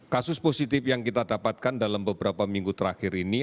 kasus positif yang kita dapatkan dalam beberapa minggu terakhir ini